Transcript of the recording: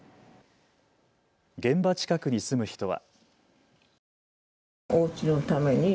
現場近くに住む人は。